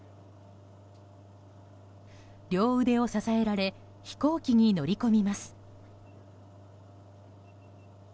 両腕を支えられ飛行機に乗り込みます。